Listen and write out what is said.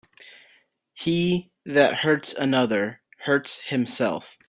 He that hurts another, hurts himself.